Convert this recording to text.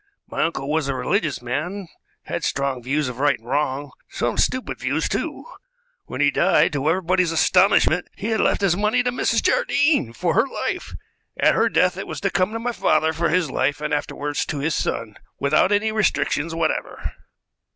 My uncle was a religious man, had strong views of right and wrong some stupid views, too. When he died, to everybody's astonishment he had left his money to Mrs. Jardine for her life. At her death it was to come to my father for his life, and afterward to his son, without any restrictions whatever."